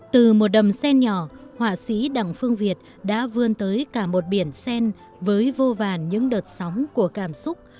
từ một đầm sen nhỏ họa sĩ đặng phương việt đã vươn tới cả một biển sen với vô vàn những đợt sóng của cảm xúc